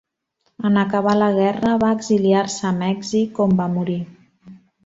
En acabar la guerra va exiliar-se a Mèxic, on va morir.